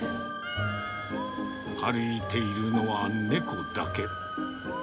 歩いているのは猫だけ。